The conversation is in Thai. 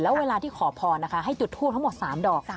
แล้วเวลาที่ขอพรนะคะให้จุดทูปทั้งหมด๓ดอก